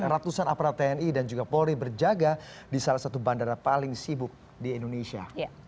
ratusan aparat tni dan juga polri berjaga di salah satu bandara paling sibuk di indonesia